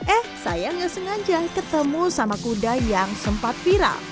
eh sayangnya sengaja ketemu sama kuda yang sempat viral